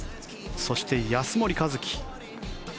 そして、安森一貴。